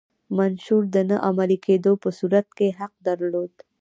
منشور د نه عملي کېدو په صورت کې حق درلود.